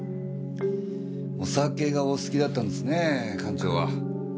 お酒がお好きだったんですねぇ館長は。